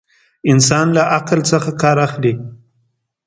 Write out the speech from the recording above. انسانان له عقل څخه ڪار اخلي.